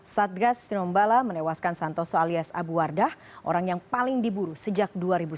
satgas tinombala menewaskan santoso alias abu wardah orang yang paling diburu sejak dua ribu sembilan belas